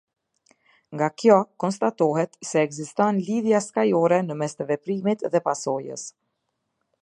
Nga kjo konstatohet se ekziston lidhja shkajkore në mes të veprimit dhe pasojës.